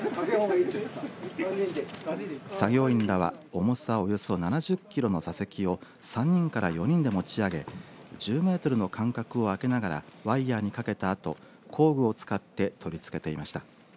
作業員らは重さおよそ７０キロの座席を３人から４人で持ち上げ１０メートルの間隔を空けながらワイヤにかけたあと工具を使って取り付けていました。